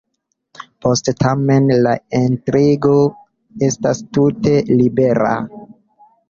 Poste, tamen, la intrigo estas tute libera.